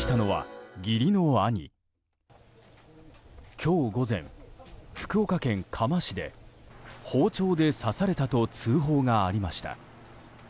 今日午前、福岡県嘉麻市で包丁で刺されたと通報がありました。